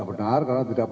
itu sama sekali tidak ada